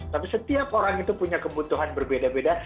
tapi setiap orang itu punya kebutuhan berbeda beda